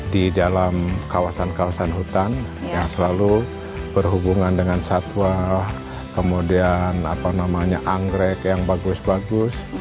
di dalam kawasan kawasan hutan yang selalu berhubungan dengan satwa kemudian anggrek yang bagus bagus